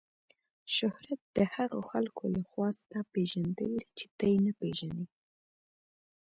شهرت د هغو خلکو له خوا ستا پیژندل دي چې ته یې نه پیژنې.